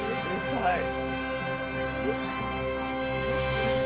はい。